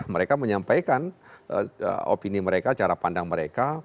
mereka menyampaikan opini mereka cara pandang mereka